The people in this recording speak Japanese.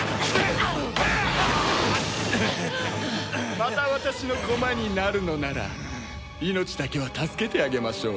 また私の駒になるのなら命だけは助けてあげましょう。